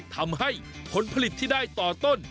ทำให้ผลผลิตที่ได้ต่อต้น